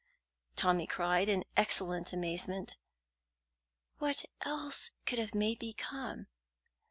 Tommy cried, in excellent amazement. "What else could have made me come?"